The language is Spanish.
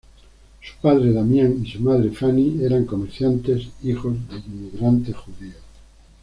Su padre Damián y su madre Fanny eran comerciantes, hijos de inmigrantes judíos.